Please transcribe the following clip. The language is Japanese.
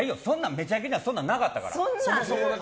「めちゃイケ」ではそんなんなかったから。